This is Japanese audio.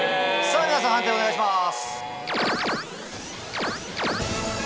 皆さん判定お願いします。